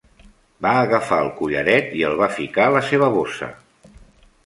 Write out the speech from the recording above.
Va agafar el collaret i el va ficar a la seva bossa.